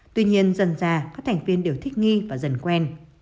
tuy nhiên dần ra các thành viên đều thích nghi và dần quen